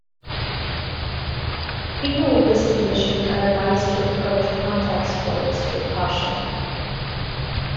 People with this condition are advised to approach contact sports with caution.